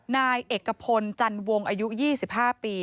นายเอกพลจันวงอายุ๒๕ปี